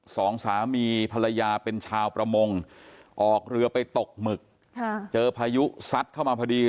สองสามีภรรยาเป็นชาวประมงออกเรือไปตกหมึกเจอพายุซัดเข้ามาพอดี